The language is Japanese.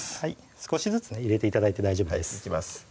少しずつ入れて頂いて大丈夫ですいきます